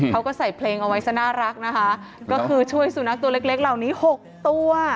เขาก็ใส่เพลงเอาไว้ซะน่ารักนะคะก็คือช่วยสุนัขตัวเล็กเล็กเหล่านี้หกตัว